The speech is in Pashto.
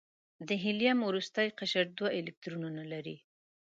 د هیلیم وروستی قشر دوه الکترونونه لري.